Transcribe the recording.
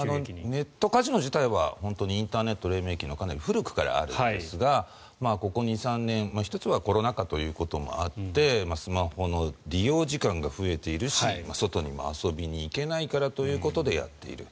ネットカジノ自体は本当にインターネット黎明期のかなり古くからあるんですがここ２３年１つはコロナ禍ということもあってスマホの利用時間が増えているし外にも遊びに行けないからということでやっている。